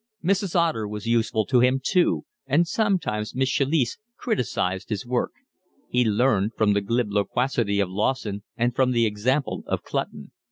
Mrs. Otter was useful to him too, and sometimes Miss Chalice criticised his work; he learned from the glib loquacity of Lawson and from the example of Clutton.